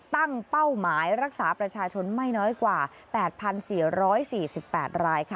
เป้าหมายรักษาประชาชนไม่น้อยกว่า๘๔๔๘รายค่ะ